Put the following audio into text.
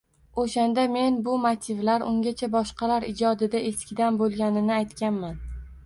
Oʻshanda men bu motivlar ungacha boshqalar ijodida eskidan bor boʻlganini aytganman